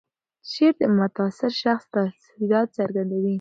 شعر د متاثر شخص تاثیرات څرګندوي.